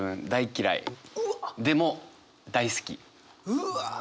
うわ！